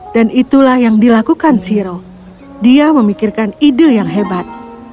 dan itulah yang dilakukan shiro dia memikirkan ide yang hebat